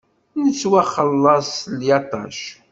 Nettwaxellaṣ s lyaṭac.